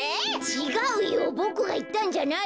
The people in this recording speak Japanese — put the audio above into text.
ちがうよボクがいったんじゃないよ。